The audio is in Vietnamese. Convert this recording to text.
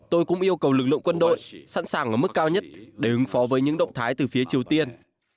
tôi cũng yêu cầu lực lượng quân đội sẵn sàng ở mức cao nhất để ứng phó với những động thái từ phía triều tiên